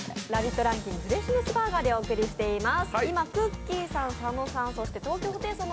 ランキング、フレッシュネスバーガーでお伝えしています。